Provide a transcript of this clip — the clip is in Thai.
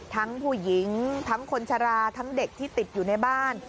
ทั้งผู้หญิงทั้งคนชะลาทั้งเด็กที่ติดอยู่ในบ้าน